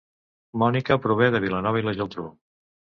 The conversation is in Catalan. Mònica prové de Vilanova i la Geltrú